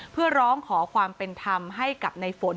เพื่อร้องขอความเป็นธรรมให้กับในฝน